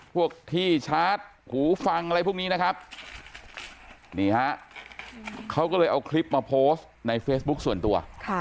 พวกที่ชาร์จหูฟังอะไรพวกนี้นะครับนี่ฮะเขาก็เลยเอาคลิปมาโพสต์ในเฟซบุ๊คส่วนตัว